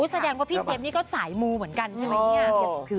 แสดงว่าพี่เจี๊ยบนี่ก็สายมูเหมือนกันใช่ไหมเนี่ย